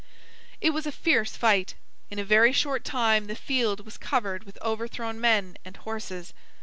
It was a fierce fight. In a very short time the field was covered with overthrown men and horses.